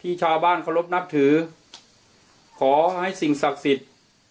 ชาวบ้านเคารพนับถือขอให้สิ่งศักดิ์สิทธิ์